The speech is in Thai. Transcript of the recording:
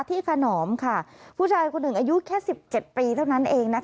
ที่คณหมค่ะผู้ชายคนหนึ่งอะอยู่แค่๑๗ปีเท่านั้นเอง